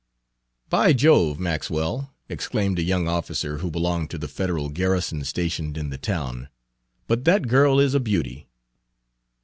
"By Jove, Maxwell!" exclaimed a young officer, who belonged to the Federal garrison stationed in the town, "but that girl is a beauty."